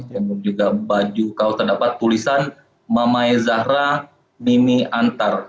dan juga baju kaos terdapat tulisan mamae zahra mimi antar